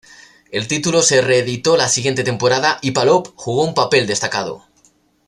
El título se reeditó la siguiente temporada y Palop jugó un papel destacado.